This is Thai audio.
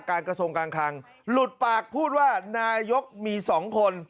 กระทรวงการคลังหลุดปากพูดว่านายกมี๒คน